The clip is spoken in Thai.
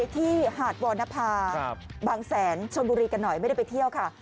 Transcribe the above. ที่หาดวรรณภาบางแสนชนบุรีกันหน่อยไม่ได้ไปเที่ยวค่ะ